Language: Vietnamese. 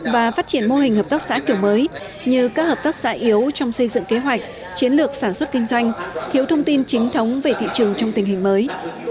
và phát triển mô hình hợp tác xã kiểu mới như các hợp tác xã yếu trong xây dựng kế hoạch chiến lược sản xuất kinh doanh thiếu thông tin chính thống về thị trường trong tình hình mới